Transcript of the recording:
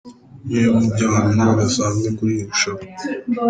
Bimwe mu byo wamenya bidasanzwe kuri iri rushanwa.